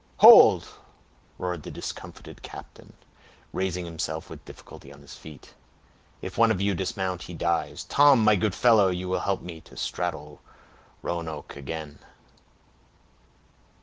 "Hold!" roared the discomfited captain, raising himself with difficulty on his feet. "If one of you dismount, he dies. Tom, my good fellow, you will help me to straddle Roanoke again."